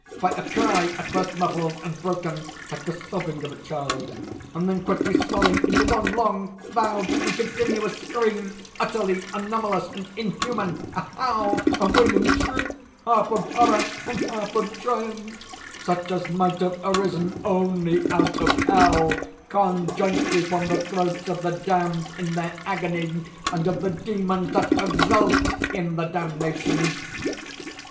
—by a cry, at first muffled and broken, like the sobbing of a child, and then quickly swelling into one long, loud, and continuous scream, utterly anomalous and inhuman—a howl—a wailing shriek, half of horror and half of triumph, such as might have arisen only out of hell, conjointly from the throats of the damned in their agony and of the demons that exult in the damnation.